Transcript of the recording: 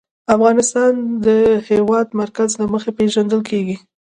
افغانستان د د هېواد مرکز له مخې پېژندل کېږي.